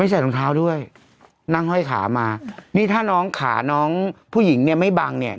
ใส่รองเท้าด้วยนั่งห้อยขามานี่ถ้าน้องขาน้องผู้หญิงเนี่ยไม่บังเนี่ย